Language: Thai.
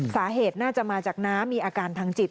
สาเหตุน่าจะมาจากน้ามีอาการทางจิต